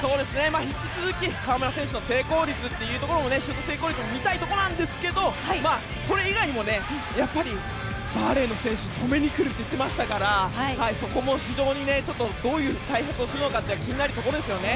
引き続き河村選手の成功率シュート成功率も見たいところなんですがそれ以外にもバーレーンの選手止めにくるって言ってましたからそこも非常にどういう対策をするのか気になるところですよね。